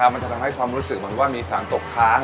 มันจะทำให้ความรู้สึกเหมือนว่ามีสารตกค้าง